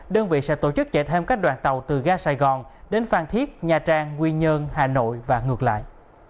đơn vị sẽ tổ chức chạy thêm các đoàn tàu từ ga sài gòn đến phan thiết nha trang nguyên nhơn hà nội và ngược lại